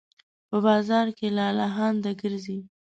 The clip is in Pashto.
په بازار کې لالهانده ګرځي